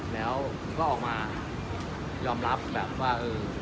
แล้วก็ออกมายอมรับแบบว่าเออ